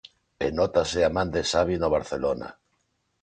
E nótase a man de Xavi no Barcelona.